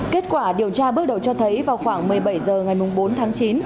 kết quả điều tra bước đầu cho thấy vào khoảng một mươi bảy h ngày bốn tháng chín